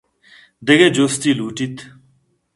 دگہ جستے لوٹیت